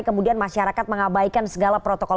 kemudian masyarakat mengabaikan segala protokol